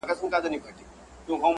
که تنګوي دې دا د بړنګو دروازو نندارچيان